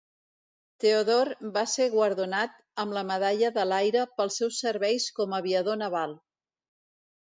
Theodore va ser guardonat amb la medalla de l'Aire pels seus serveis com aviador naval.